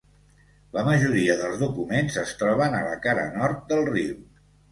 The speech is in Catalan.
La majoria dels documents es troben a la cara nord del riu.